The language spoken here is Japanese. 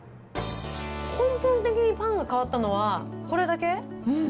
根本的にパンが変わったのは、これだけ。